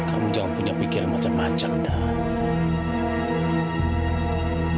kamu jangan punya pikiran macam macam dan